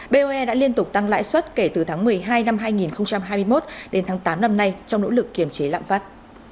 boe đã liên tục tăng lãi suất kể từ tháng một mươi hai năm hai nghìn hai mươi một đến tháng tám năm nay trong nỗ lực kiềm chế lạm phát